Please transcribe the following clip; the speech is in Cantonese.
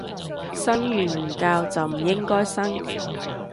生完唔教就唔應該生